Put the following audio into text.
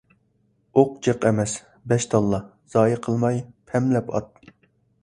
ئوق جىق ئەمەس، بەش تاللا . زايە قىلماي پەملەپ ئات .